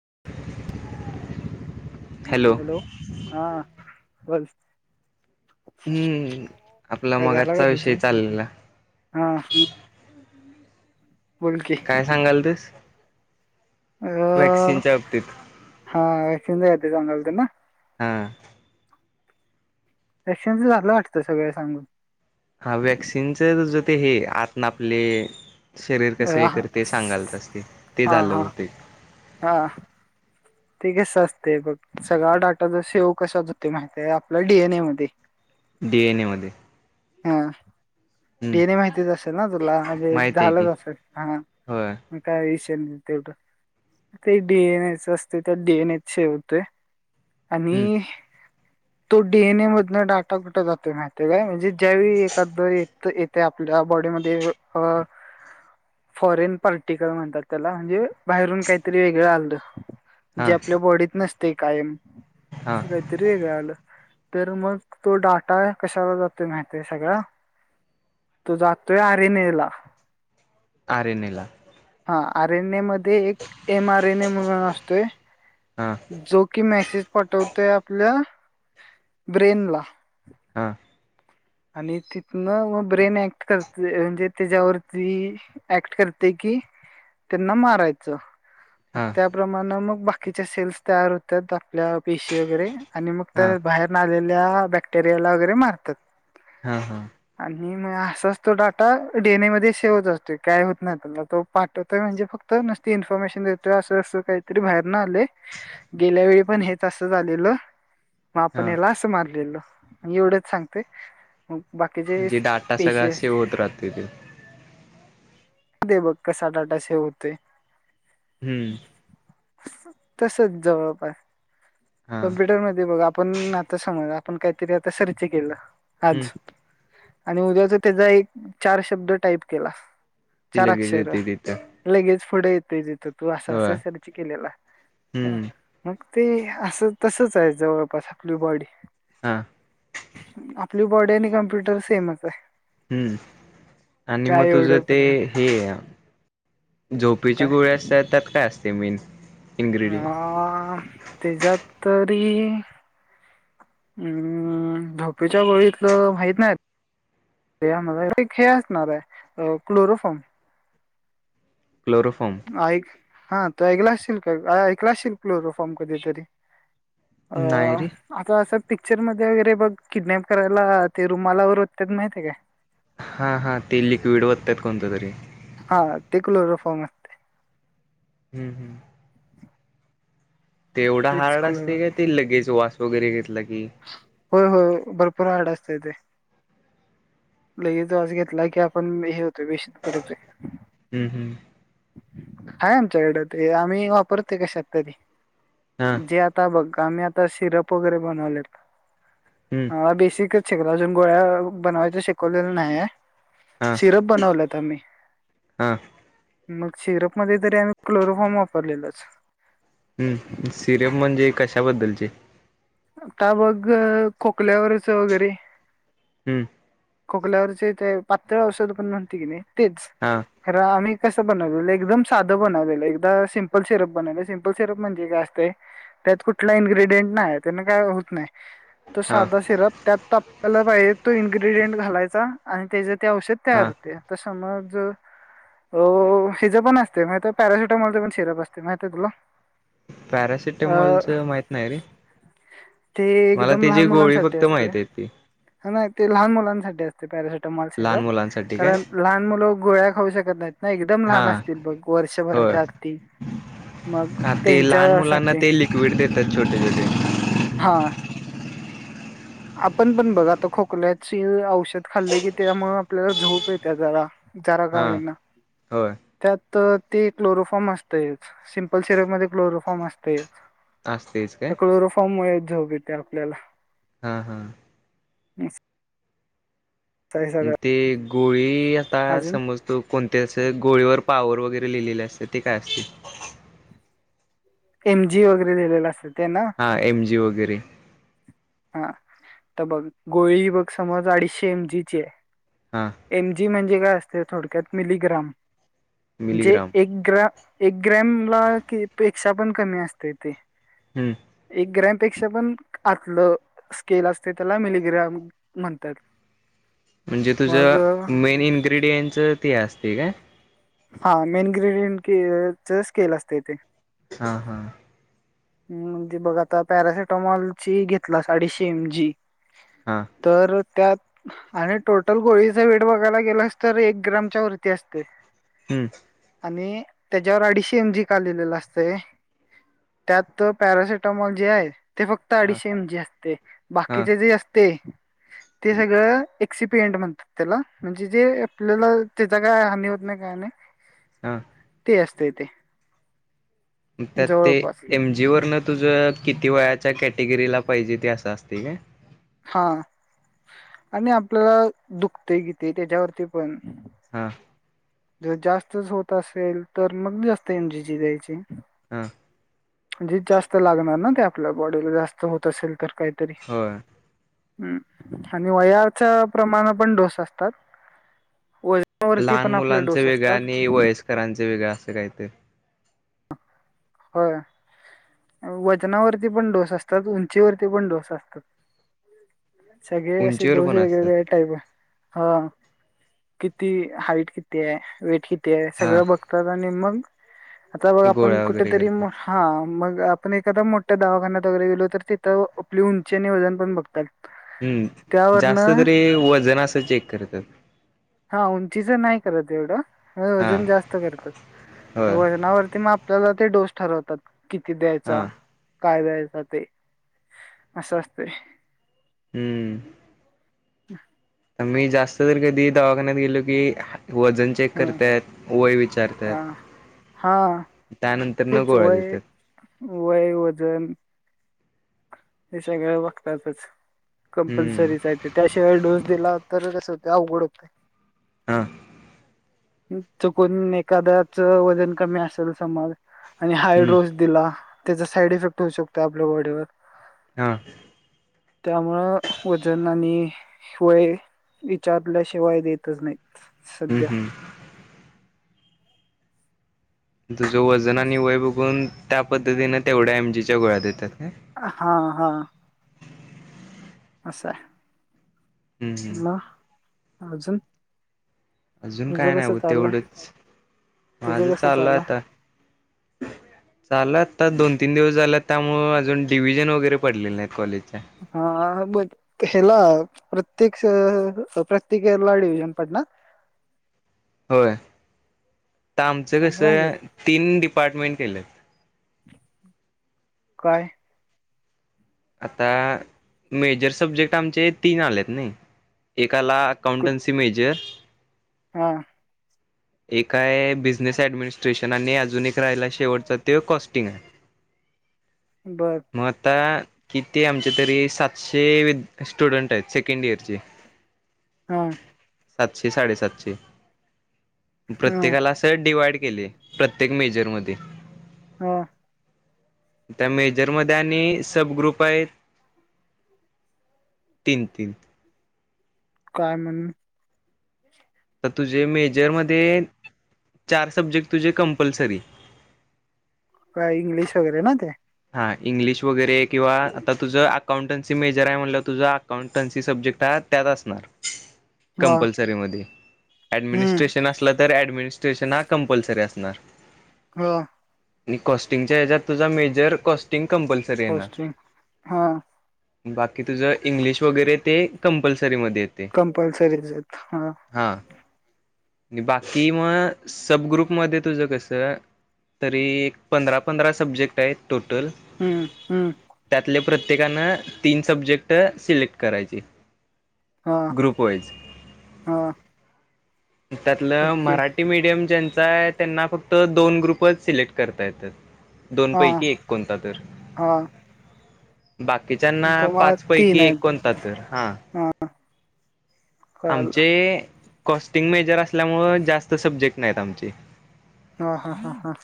[unintelligible] Hello, हां, बोल. हूं, आपला काय झाला का मगाचा तुझ विषय चाललेला. हा बोल की काय सांगालतीस? व्हॅक्सिनच्या बाबतीत. [unintelligible] होतीत ना. हां. रक्शनच झालं वाटतं सगळ सांगून. हा वॅक्सिनच तुज ते हे आतन आपले - - शरीर अ, कसं हे हा कर ते सांगालतास ते, ते हा झालं हा होते. हा. ते कसं असतय बघ, सगळा डाटा जो सेव कस्यात होतोय माहितीय, आपल्या डी एन ए मध्ये डी एन ए मध्ये हा. हम्म डी एन ए माहितीच असेल ना, तुला म्हणजे माहित आहे की झालंच असल, हा होय काय विश तेन तेवढ ते डी एन एच असतय, त्यात डी एन ए हेच होतय. हम्म आणि अ तो डीएनए मधनं डाटा, कुठं जातोय माहीतीए काय? म्हणजे ज्यावेळी एखाद य येतय, आपल्या बॉडीमध्ये अ फॉरेन पार्टिकल म्हणतात त्याला, म्हणजे बाहेरून काहीतरी वेगळं आलं. हा जे आपल्या बॉडीत नसतय कायम, हा असं काहीतरी वेगळं आलं. तर मग तो डाटा कशाला जातो. तो माहितीए सगळ, तो जातोय आरिनेला आरेनेला. हा आर एन ए मध्ये एक एम आर एन ए म्हणून असतोय हा जो की, मॅसेज पाटवतय आपल्या ब्रेन ला. हा. आणि तिथन म ब्रेन ऍक्ट करतय म्हणजे त्याच्यावरती ऍक्ट करतय की कि त्यांना मारायचं. मग त्याप्रमाणे मग बाकीच्या सेल्स तयार होतात, आपल्या पेशी वगैरे. आणि मग हा त्या बाहेर न आलेल्या बॅक्टेरियाला वगैरे मारतात. हा हा. आणि म असाच तो डाटा डी, एन, ए मध्ये सेव होत असतोय, काय होत नाही त्याला तो पाठवतोय म्हणजे फक्त नूसती इन्फॉर्मेशन देतोय, असं असं काहीतरी बाहेर न आलय, गेल्या वेळी पण हेच असं झालेलं. मग हा आपण याला असं मारलेलं आणि एवढंच सांगतंय म्हणजे डाटा सगळा पेशी सेव होत राहतोय त्यो ते बघ कसा डाटा सेव होतोय. हम्म. तसच जवळपास, हा कम्प्युटर मध्ये बघ आपण आता समज आपण काहीतरी आता सर्च केलं, आज. हम्म आणि उद्याच त्याचा एक चार शब्द टाईप केला. ती चार लगेच अक्षर येते तिथं लगेच पुढ येतय जिथ तू असं अस होय त्या केलेला हम्म मग ते अस. ते तसच हाय जवळपास आपली बॉडी हा आप आपली बॉडी आणि कॉम्प्युटर सेमच आहे. हम्म आणि मग काय तुझं एवढं ते फरक नाही. हे झोपेची काय गोळी असत्या त्यात काय असतय मेन् इन्ग्र्रीडियं. त्याज्यात तरीई हम्म झोपच्या गोळीतलं माहित नाही. तो खेळ असणार हाय अ क्लोरोफोम. क्लोरोफॉर्म ऐक हा तो ऐकलाशील का ऐकलाशील क्लोरो फॉर्म कधी तरी. अ नाही रे आता अस पिक्चर मध्ये वगैरे बग किडनॅप करायला ते रुमालावर वोत्यात माहितीय काय? हा हा ते लिक्विड वोत्यात कोणत तरी. हा ते क्लोरोफॉर्म असतय. हम्म हम्म. ते एवढा तेच हार्ड क्लोरोफॉर्म असतय की ते लगेच वास वगैरे घेतला की हो हो भरपूर हार्ड अस ते ते लगेच वास घेतला की आपण हे हो ते बेशुद्ध पडतोय. हम्म हम्म हाय आमच्याकडं ते आम्ही वापरतोय कशात तरी हा जे आता बघ आम्ही आता सिरप वगैरे बनवलेत हम्म अ बेसी शिकल अजून गोळ्या बनवायच शिकवलेलं नाहीयाय. हा सिरप बनवल्यात आम्ही. हा मग शीरफ मध्ये जरी आम्ही क्लोरोफॉर्म वापरल्यालोच. हम्म सिरप म्हणजे कशाबद्दलचे? आता बघ खोकल्यावरच वगैरे. हम्म. खोकल्यावरचेय एक पातळ औषध पण म्हणतय कने तेच हा खर आम्ही कस बनवलेलं एकदम साधं बनवलेलं एकदा सिंपल सिरप बनवलं सिपल सिरप म्हणजे काय असतंय. त्यात कुठला इनग्रेडियंट नाय त्यान काय होत नाय. तो हा साधा सिरप त्यात आपला पाहिजे तो इन्ग्रेडियंट घालायचा आणि त्याज ते औषध तयार हा होतय. आता समज अ हिजं पण असतय महितीयाय पॅरासुटामॉलच पण शिरप असतय महीतीयाय तुला? अ पॅरासिटेमॉलचं माहित नाही रे. ते मला एकदम त्याची लहान गोळी मुलांसाठी फक्त असतय माहित आहे ती हा ना ते लहान मुलांसाठी असतय पॅरशट मॉल लहान सिरप मुलांसाठी काय कारण लहान मुल गोळ्या खाऊ शकत नाही ना एकदम हा लहान असतील बघ वर्षभरा होय त्या आतली. हा ते लहान मुलांना ते लिक्विड देतात छोटे छोटे. हा आपण पण बघ आता खोख कल्याची औषध खाल्ल की तेज्यामुळ आपल्याला झोप इत्या जरा. जरा का हा होईना, होय त्यात ती क्लोरोफॉर्म असतयच सिम्पल सिरपमध्ये क्लोरोफॉर्म असतयच. असतेच काय त्या क्लोरोफॉर्म मुळेच झोप इत्या आपल्याला. हा हा. [inaudible] अम्म सगळं ते गोळी आता अजून समज तू कोण ते असं गोळीवर पॉवर वगैरे लिहिलेलं असतंय ते काय असतंय? एमजी वगैरे लिहिलेला असेल. हा एम जी वगैरे? हां तर बघ गोळी बघ समज अडीचशे एम जीची आहे. हा एम जी म्हणजे काय असते थोडक्यात मिलीग्राम. म्हणजे मिलीग्राम एक ग्रॅम एक ग्रॅमला की पेक्षा पण कमी असतंय ते. हम्म. एक ग्रॅमपेक्षा पण आतलं स्केल असते त्याला मिलिग्राम म्हणतात. म्हणजे मग अ, तुझं मेन इन्ग्रेडियंटच ते असतंय काय? हां मेन ग्रेडियंटच स्केल असतंय ते. हां हां. [unintelligible] म्हणजे बघ आता पॅरासिटामॉलची घेतलास अडीचशे एम जी हां तर त्यात आणि टोटल गोळीचा वेट बघायला गेलास तर एक ग्रामच्या वरती असतंय. हम्म. आणि त्याच्यावर अडीचशी एम जी का लिहिलेलं असतंय त्यात पॅरासिटमॉल जे आहे. ते फक्त हां अडीचशे एम जी असतंय हां बाकीचे जे असतंय ते सगळं एक्सीपीएंट म्हणतात त्याला म्हणजे जे आपल्याला त्याचा काय हानी होत नाही काय नाही. हां. असतंय ते. मग त्यात ते जवळपास एम जीवरनं तुझं किती वयाच्या कॅटेगरीला पाहिजे ते असं असतंय काय? हां आणि आपल्याला दुखतय कितीे त्याच्यावरती पण हां. जर जास्तच होत असेल तर मग जास्त एम जीची द्यायची. हां. म्हणजे जास्त लागणार ना ते आपल्या बॉडीला जास्त होत असेल तर काहीतरी. होय आणि वयाच्या प्रमाणावर पण डोस असतात. वजनावरती लहान पण आपले मुलांचं डोस वेगळं असतात आणि वयस्करांचं वेगळं असं काहीतर होय. अ वजनावरती पण डोस असतात, उंचीवरती पण डोस असतात. सगळे असे उंचीवर डोस पण असतात वेगवेगळ्या टाईप आहे. हां किती हाईट किती आहे? वेट किती ती आहे? हा सगळं बघतात आणि मग आता बघ आपण गोळ्या वगैरे कुठेतरी करतात हां मग आपण एखादा मोठ्या दवाखान्यात वगैरे गेलो तर तिथं आपली उंची आणि वजन पण बघतात. हम्म जास्त त्यावरनं तरी वजन असं चेक करतात? [unintelligible] नाही करत एवढं हा वजन जास्त करतं होय वजनावर आपल्याला ते डोस ठरवतात किती हा द्यायचा? काय द्यायचा ते असं असतंय. हम्म. [inaudible] मी जास्त तर कधी दवाखान्यात गेलो की. वजन चेक ह करत्यात वय विचारतात. हा त्यानंतर न तेच गोळ्या देतात वय-वय वजन. हे सगळं बघतातच. हम्म कंपल्सरीच आहे ते त्याशिवाय डोस दिला. तर कस होतय अवघड होतय. हा. चुकून एखाद्याच वजन कमी असेल समज आणि हम्म हायडोस दिला, त्याचा साईड इफेक्ट होऊ शकतो आपल्या बॉडीवर. हा त्यामुळं वजन आणि शिय विचारल्याशिवाय देतच नाही हम्म, सध्या हम्म. तुझं वजन आणि वय बघुन त्या पद्धतीने तेवढ्या एमजी च्या गोळ्या देतात. काय हम्म हा, हा. असायं. हम्म म अजून अजून काय तुझं नाही कसं बघं चाललंय तेवढचं, माझं तुझं कसं चालु चाललंय हाय आता. चालू आहे आता दोन तिनं दिवस झालं त्यामुळं अजून डिव्हिजन वगैरे पडलेले नाहीत कॉलेज बस कशाला? प्रत्येक खेळाला डिवीजन पडणार. होय. आता आमचं चांगला आहे की कसं तीन डिपार्टमेंट केलेत. काय? आता मेजर सब्जेक्ट आमचे तीन आलेत नई एक - - त्याला कुठ अकाउंटसी मेजर हा. ए काय बिझनेस ऍडमिनिस्ट्रेशन आणि अजून एक राहायला शेवटचा तो कॉस्टिंग. ह मग आता - - किती आमचे तरी सातसे वि स्टुडन्ट आहेत. सेकंड इयर चे- - हा. सातशे साडेसातशे हा प्रत्येकाला असं डिवाइड प्रत्येक मेजर मध्ये हा सगळ्या ग्रुप मध्ये मेजर आहेत तीन-तीन म्हणणं काय जर तुझ्या मेजर मध्ये चार सब्जेक्ट तुझे कंपल्सरी इंग्लिश वगैरे नाहीत का हां इंग्लिश वगैरे किंवा आता तुझं अकाउंटन्सी मेजर हाय म्हटल्यावर तुझ अकाउंटन्सी सब्जेक्ट हाय. त्यात असणार हा कंपल्सरी मध्ये ॲडमिनी हम्म स्टेशन अस- - तर ॲडमिनिस्ट्रेशन हा कंपल्सरी असणार. हा. कॉस्टिंगच्या हेच्यात तुझा मेजर कॉस्टिंग कंपल्सरी येणार [unintelligible] हा. बाकी तुझ इंग्लिश वगैरे ते कंपल्स सरी मध्ये येते कंपल्सरीच आहेत हा बाकि मं सब ग्रुप मध्ये तुझं कसं - - तरी एक पंधरा पंधरा सब्जेक्ट हाईत टोटल हम्म हम्म त्यातली प्र - - प्रत्येकान तीन सब्जेक्ट सिलेक्ट करायचे. हा ग्रुप वाईज हा त्यातलं ओके मराठी मिडीयम ज्यान - - कसायं त्यांना फक्त दोन ग्रुपचं सिलेक्ट करता येतात. दोन हा पैकी एक कोणता तर - हा - बाकीच्यांनी तुम्हाला पाच पैकी तीन एक आहेत कोणतातर. हा कळालं आमचे कॉस्टिंग मेजर असल्यामुळे जास्त सब्जेक्ट नाहीत आमचे. हा, हा.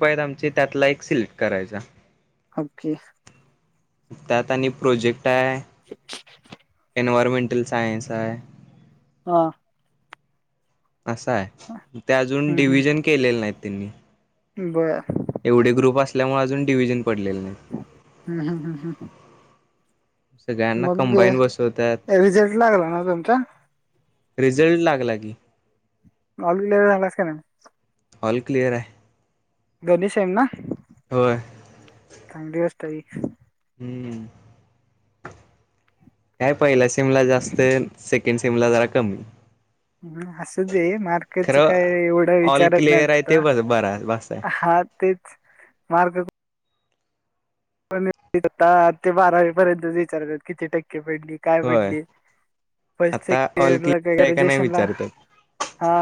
पहिल्या मधला एक सिलेक्ट करायचा. ओके. त्यात आणि प्रोजेक्ट हाय. एनवोरमेंटल सायंस हाय. हा असं हाय, ते अजून हम्म डिव्हजन केलेले नाहीत त्यांनी. [unintelligible] [inaudible] आपल्यामुळे अजून डिव्हजन हम्म. हम्म. हम्. हम्. सगळ्यांना कंबाईन बसवत्यात. रिझल्ट लागला ना तुमचा रिझल्ट लागला की. कॉलेजला [unintelligible] काय नाहीस. ऑल क्लिअर हाय. गणेश एम ना. होय. तय. हम्म. काय पहिल्या सेमला जास्त, सेकंड सीमला जरा कमी. ह असुदे, मार्केच खरं काय एवढं ऑल विचारत क्लिअर नाहीत आहे ते आता. बस बरा बस आहे हा तेच, मार्क [unintelligible] आता ते बारावी पर्यंत विचारतात किती टक्के पडली? काय होय पडली? पैस् आता ऑल क्लिअर के आहे का नाही रेजएशनला, विचारतात हा.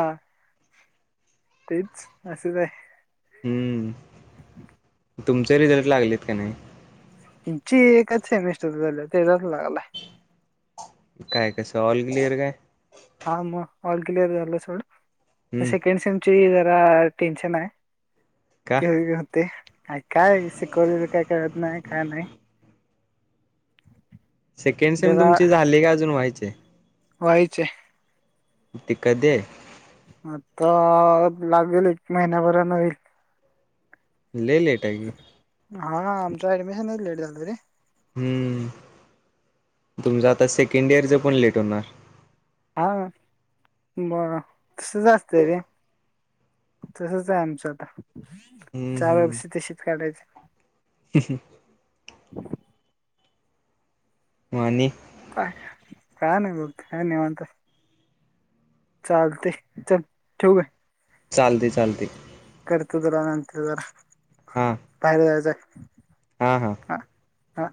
तेच असच हाय. हम्म. तुमचे रिझल्ट लागलेत का नाही? ची एकच सेमिस्टर झाल्या तेजाच लागलाय. काय? कसं? ऑल क्लिअर काय? हा मग ऑल क्लिअर झालं सोडं, हम्म सेकंड सेमची ते जरा टेनशन हाय. का घ होते काय शिकवले काय कळत नाय, काय नाय. सेकंड सिम तुमची झाली का अजून व्हायची हाय? व्हयची हाय. ते कदी हाय? आता लागेल एक महिन्याभराण होईल. लय लेट आहे की. तुमच ऍडमिशनच लेट झालं रे. हम्म, तुमचा आता सेकंड इयरच पण लेट होणार. हा म तसच असतय रे. तसच आहे आमचं आता, हम्म चार वर्ष हम्म तशीच काढायची. [unintelligible] म आणि? काय काय नाही बघ हाय निवांत हाय. चालतय चल ठेऊ काय. चालतय चालतय. करतो तुला नंतर जरा बाहेर जायचं हाय. हा. हा. हा.